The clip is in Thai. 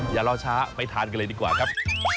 อย่ารอช้าไปทานกันเลยดีกว่าครับ